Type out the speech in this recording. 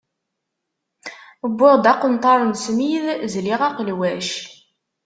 Wwiɣ-d aqenṭar n smid, zliɣ aqelwac.